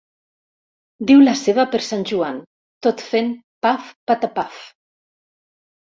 Diu la seva per sant Joan, tot fent paf patapaf.